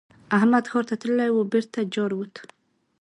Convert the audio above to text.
احمد ښار ته تللی وو؛ بېرته جارووت.